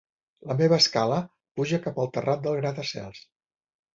La meva escala puja cap al terrat del grata-cels.